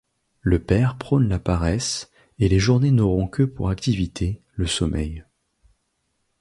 Le père prône la paresse, et les journées n'auront que, pour activité, le sommeil.